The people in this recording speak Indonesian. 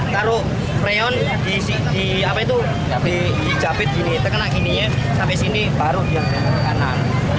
taruh freon di jepit gini tekan kakininya sampai sini baru dia ke kanan